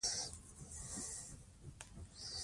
زده کړه ښځه د مالي پریکړو مسؤلیت لري.